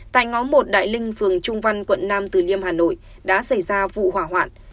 tại ngõ một đại linh phường trung văn quận nam từ liêm hà nội đã xảy ra vụ hỏa hoạn